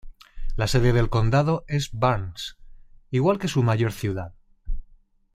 La sede del condado es Burns, al igual que su mayor ciudad.